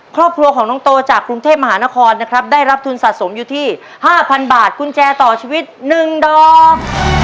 ครอบครัวของน้องโตจากกรุงเทพมหานครนะครับได้รับทุนสะสมอยู่ที่๕๐๐บาทกุญแจต่อชีวิต๑ดอก